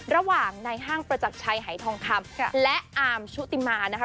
ระหว่างในห้างประจักรชัยหายทองคำและอาร์มชุติมานะคะ